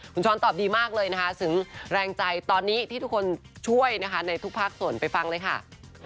คุณช้อนตอบดีมากเลยนะคะถึงแรงใจตอนนี้ที่ทุกคนช่วยนะคะในทุกภาคส่วนไปฟังเลยค่ะ